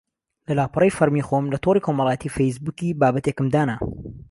لە لاپەڕەی فەرمی خۆم لە تۆڕی کۆمەڵایەتی فەیسبووکی بابەتێکم دانا